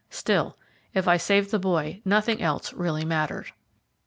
Still, if I saved the boy nothing else really mattered.